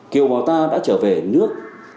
kiều bào ta đã trở về nước